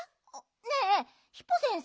ねえヒポ先生